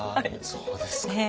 そうですか。